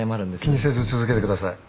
気にせず続けてください。